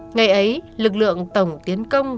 ngày ấy lực lượng tổng tiến công